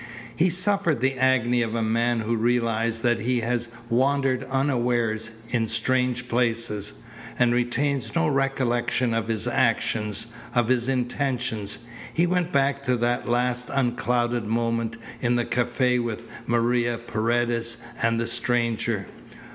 He suffered the agony of a man who realizes that he has wandered unawares in strange places, and retains no recollection of his actions, of his intentions. He went back to that last unclouded moment in the cafe with Maria, Paredes, and the stranger.